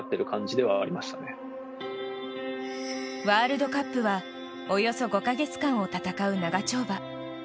ワールドカップはおよそ５か月間を戦う長丁場。